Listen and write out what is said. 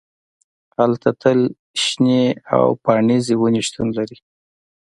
هلته تل شنې او پاڼریزې ونې شتون لري